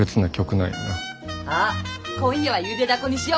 あっ今夜はゆでだこにしよ。